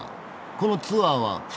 このツアーは副業？